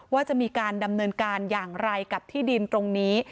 ว่าจะมีการดำเนินการอย่างไรกับที่ดินตรงนี้